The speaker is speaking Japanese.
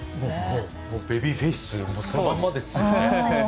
ベビーフェイスそのまんまですよね。